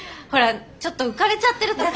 ほらちょっと浮かれちゃってる。